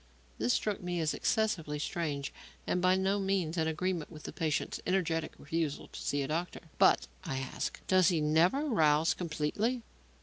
This struck me as excessively strange and by no means in agreement with the patient's energetic refusal to see a doctor. "But," I asked, "does he never rouse completely?"